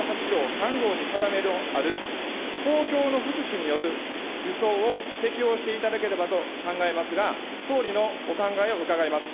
３ごうに定めのある公共の福祉による輸送を適用していただければと考えますが、総理のお考えを伺います。